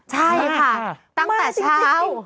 ใช่ค่ะตั้งแต่เช้า